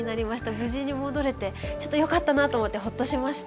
無事に戻れてちょっとよかったなと思ってホッとしました。